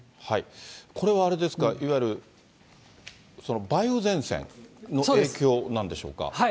これはあれですか、いわゆる梅雨前線の影響なんでしょうか。